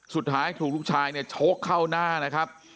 สุดท้ายถูกลูกชายเนี่ยโชคเข้าหน้านะครับ